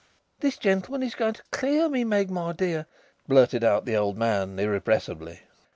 "This gentleman is going to clear me, Meg, my dear," blurted out the old man irrepressibly.